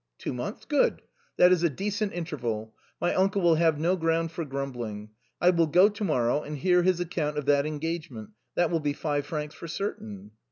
" Two months, good, that is a decent interval ; my uncle will have no ground for grumbling. I will go to morrow and hear his account of that engagement, that will be five francs for certain."